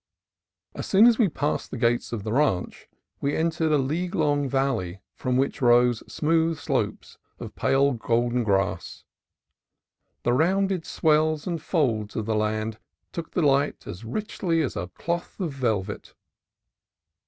As soon as we passed the gates of the ranch we entered a league long valley from which rose smooth slopes of pale golden grass. The rounded swells and folds of the land took the light as richly as a cloth of velvet.